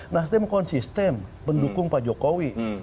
nasdem konsisten mendukung pak jokowi